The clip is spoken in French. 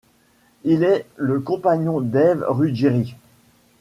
Il est le compagnon d'Ève Ruggieri.